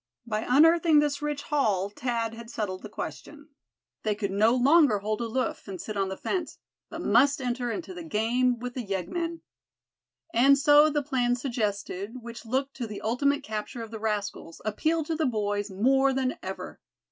By unearthing this rich haul Thad had settled the question. They could no longer hold aloof, and sit on the fence; but must enter into the game with the yeggmen. And so the plan suggested, which looked to the ultimate capture of the rascals, appealed to the boys more than ever.